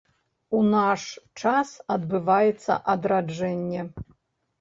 У наш час адбываецца адраджэнне.